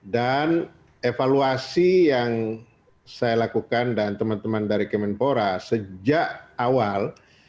dan evaluasi yang saya lakukan dan teman teman dari piala menpora sejak awal